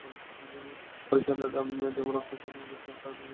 হরিচরণেরা যেমন রক্তেরটানে দেশ ছাড়বেন, মধুসূদনেরাও তেমন রক্তের টানেই থেকে যাবেন।